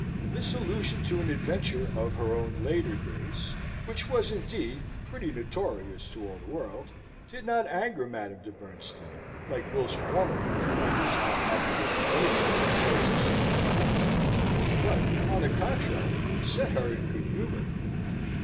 This allusion to an adventure of her own later days, which was, indeed, pretty notorious to all the world, did not anger Madame de Bernstein, like Will's former hint about his aunt having been a favourite at George the Second's Court; but, on the contrary, set her in good humour.